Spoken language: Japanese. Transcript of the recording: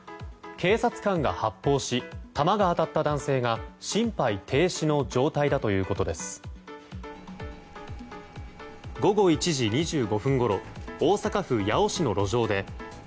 警察官が発砲し弾が当たった男性が心肺停止の状態だということです。